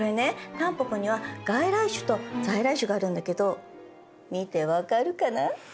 タンポポには外来種と在来種があるんだけど見て分かるかな？